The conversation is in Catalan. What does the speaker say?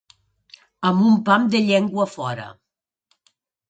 Amb un pam de llengua fora.